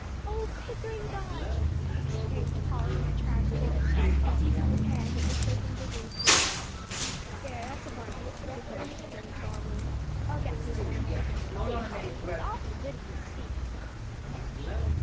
"Oh Pickering Dodge!" exclaimed Polly in a transport, and seizing his hand, it was shaken vigorously. "There, that's a bargain," declared Pickering solemnly. "I'll get through someway. And say, Polly, it was awfully good of you to speak."